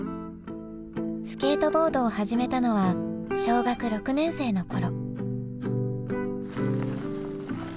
スケートボードを始めたのは小学６年生の頃。